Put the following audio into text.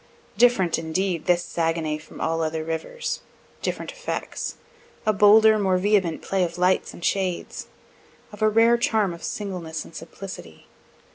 Different, indeed, this Saguenay from all other rivers different effects a bolder, more vehement play of lights and shades. Of a rare charm of singleness and simplicity.